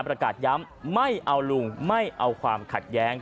ประกาศย้ำไม่เอาลุงไม่เอาความขัดแย้ง